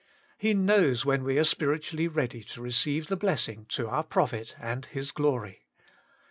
He knows when we are spiritually ready to receive the blessing to our profit and His glory.